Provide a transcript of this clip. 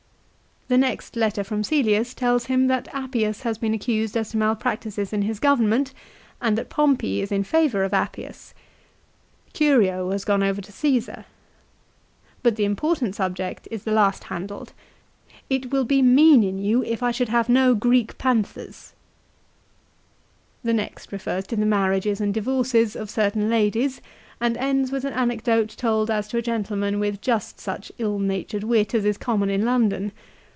The next letter from Cselius tells him that Appius has been accused as to malpractices in his government, and that Pompey is in favour of Appius. Curio has gone over to Caesar. But the important subject is the last handled. " It will be mean in you if I should have no Greek panthers," 2 The next refers to the marriages and divorces of certain ladies, and ends with an anecdote told as to a gentleman with just such ill natured wit as is common in London.